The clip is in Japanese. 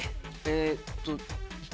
えっと。